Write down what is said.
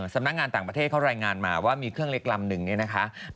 สำนักงานต่างประเทศเขารายงานมาว่ามีเครื่องเล็กลำนึงเนี่ยนะคะ